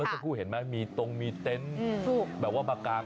แล้วก็เห็นไหมมีตงมีเต็นท์แบบว่าบากาง